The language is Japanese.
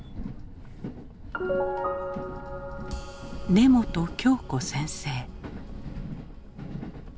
根本京子先生。